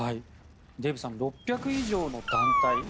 デーブさん６００以上の団体